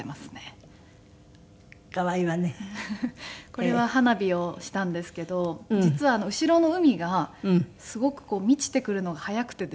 これは花火をしたんですけど実は後ろの海がすごくこう満ちてくるのが早くてですね